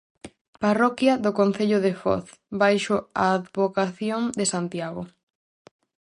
Parroquia do concello de Foz baixo a advocación de Santiago.